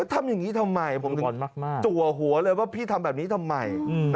ทำอย่างนี้ทำไมผมถึงจัวหัวเลยว่าพี่ทำแบบนี้ทำไม